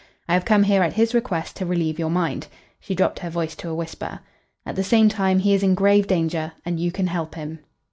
I have come here at his request to relieve your mind." She dropped her voice to a whisper. "At the same time, he is in grave danger, and you can help him."